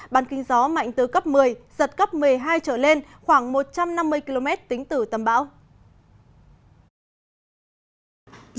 bán kính gió mạnh từ cấp một mươi giật cấp một mươi hai trở lên khoảng một trăm năm mươi km tính từ tâm bão